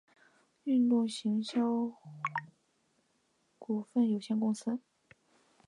运动行销股份有限公司